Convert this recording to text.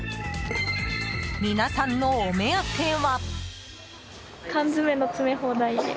皆さんのお目当ては。